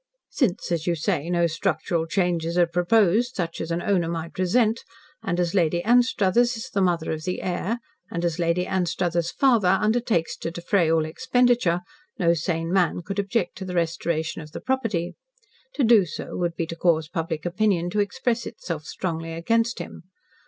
"Since, as you say, no structural changes are proposed, such as an owner might resent, and as Lady Anstruthers is the mother of the heir, and as Lady Anstruthers' father undertakes to defray all expenditure, no sane man could object to the restoration of the property. To do so would be to cause public opinion to express itself strongly against him.